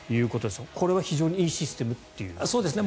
これは非常にいいシステムということですね。